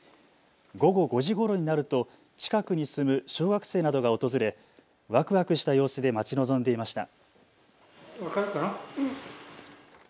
午後５時ごろになると近くに住む小学生などが訪れ、わくわくした様子で待ち望んでいました。